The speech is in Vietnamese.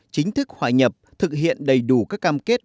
chính thức hòa nhập thực hiện đầy đủ các cam kết